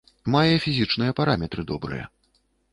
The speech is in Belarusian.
Мае фізічныя параметры добрыя.